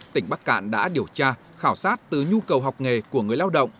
tỉnh bắc cạn đã điều tra khảo sát từ nhu cầu học nghề của người lao động